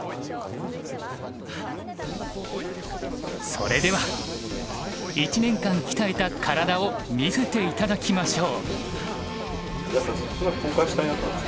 それでは１年間鍛えた体を見せていただきましょう。